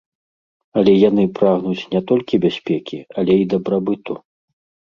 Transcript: Але яны прагнуць не толькі бяспекі, але і дабрабыту.